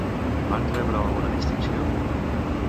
Van rebre alguna distinció?